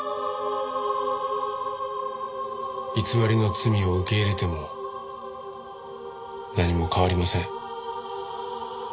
偽りの罪を受け入れても何も変わりません。